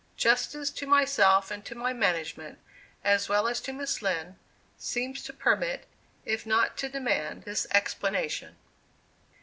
Justice to myself and to my management, as well as to Miss Lind, seems to permit, if not to demand, this explanation.